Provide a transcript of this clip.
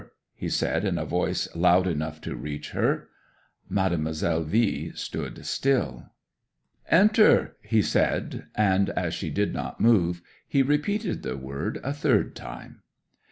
he said, in a voice loud enough to reach her. 'Mademoiselle V stood still. '"Enter!" he said, and, as she did not move, he repeated the word a third time.